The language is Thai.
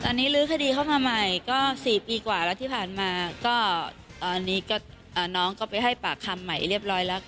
อันนี้ลื้อคดีเข้ามาใหม่ก็๔ปีกว่าแล้วที่ผ่านมาก็ตอนนี้น้องก็ไปให้ปากคำใหม่เรียบร้อยแล้ว